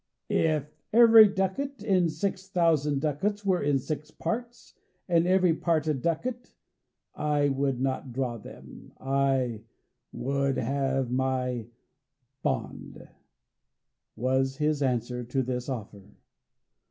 "If every ducat in six thousand ducats were in six parts, and every part a ducat, I would not draw them; I would have my bond," was his answer to this offer.